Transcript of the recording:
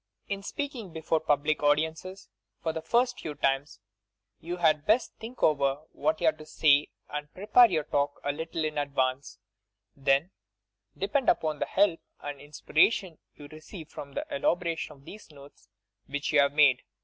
In speaking before public audiences for the first few times, you had best think over what you are to say and prepare your talk a little in advance, then depend upon the help and inspiration you receive for the elaboration of these notes, which you have made.